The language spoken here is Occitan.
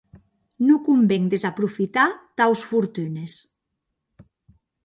Non conven desaprofitar taus fortunes.